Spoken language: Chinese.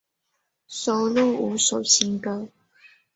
收录五首新歌。